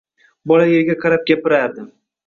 Bola yerga qarab gapirardi.